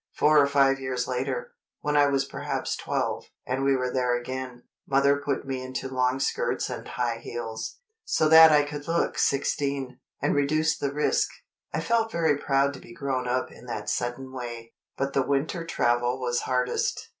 Four or five years later, when I was perhaps twelve, and we were there again, Mother put me into long skirts and high heels, so that I could look sixteen, and reduce the risk. I felt very proud to be grown up in that sudden way." But the winter travel was hardest.